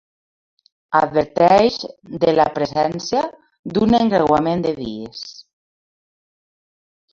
Adverteix de la presència d'un encreuament de vies.